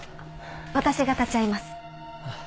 私が立ち会います。